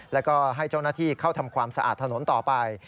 แล้วก็ให้เจ้าหน้าที่เข้าทำความสะอาดถนนต่อไป